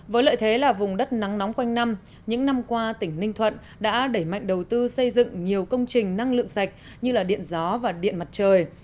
với lợi thế là vùng đất nắng nóng quanh năm những năm qua tỉnh ninh thuận đã đẩy mạnh đầu tư xây dựng nhiều công trình năng lượng sạch như điện gió và điện mặt trời